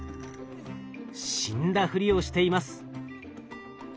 死んだふりをしています。